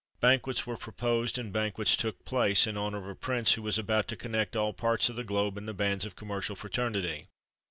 Banquets were proposed, and banquets took place, in honour of a prince who was about to connect all parts of the globe in the bands of commercial fraternity.